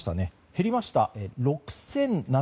減りました。